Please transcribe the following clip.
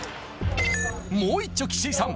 もう一丁岸井さん